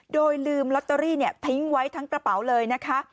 โดยลืมลอตเตอรี่ทิ้งไว้ทั้งกระเป๋าเลยนะคะ